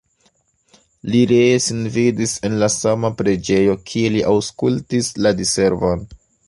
Li ree sin vidis en la sama preĝejo, kie li aŭskultis la diservon.